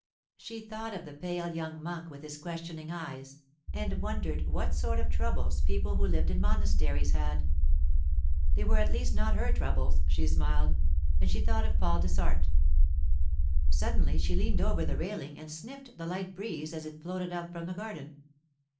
She thought of the pale young monk with his questioning eyes, and wondered what sort of troubles people who lived in monasteries had. They were at least not her troubles, she smiled, as she thought of Paul Dessart. Suddenly she leaned over the railing and sniffed the light breeze as it floated up from the garden.